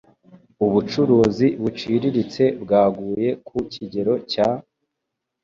Ubucuruzi buciriritse bwaguye ku kigero cya